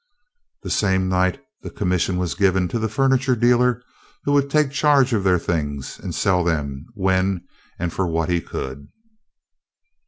The same night the commission was given to the furniture dealer who would take charge of their things and sell them when and for what he could.